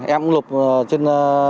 em cũng lục trên